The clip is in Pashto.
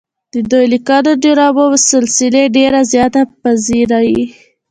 د دوي ليکلې ډرامو سلسلې ډېره زياته پذيرائي